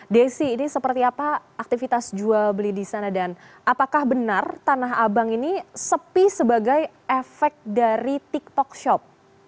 desi ini seperti apa aktivitas jual beli di sana dan apakah benar tanah abang ini sepi sebagai efek dari tiktok shop